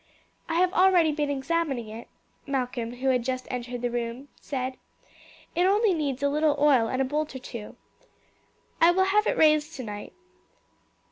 "I have already been examining it," Malcolm who had just entered the room said. "It only needs a little oil and a bolt or two. I will have it raised tonight.